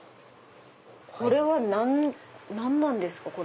これは何なんですか？